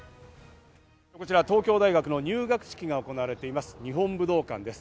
こちら東京大学の入学式が行われてます、日本武道館です。